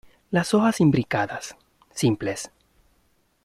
Las hojas imbricadas, simples.